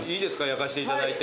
焼かせていただいて。